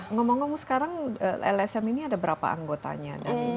ngomong ngomong sekarang lsm ini ada berapa anggotanya